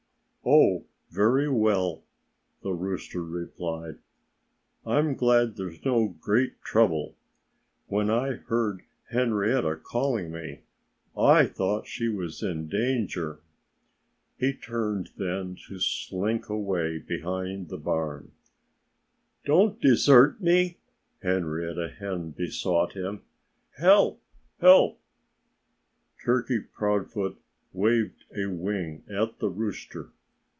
"Oh, very well!" the rooster replied. "I'm glad there's no great trouble. When I heard Henrietta calling me I thought she was in danger." He turned, then, to slink away behind the barn. "Don't desert me!" Henrietta Hen besought him. "Help! Help!" Turkey Proudfoot waved a wing at the rooster.